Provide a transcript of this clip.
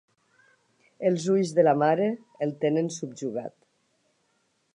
Els ulls de la mare el tenen subjugat.